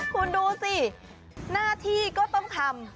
คุณดูสิหน้าที่ก็ต้องทำ